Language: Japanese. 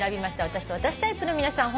私と私タイプの皆さん